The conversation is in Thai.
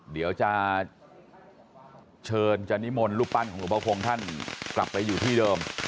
เดี๋ยวจะเชิญจะนิมนต์รูปปั้นของหลวงพ่อคงท่านกลับไปอยู่ที่เดิม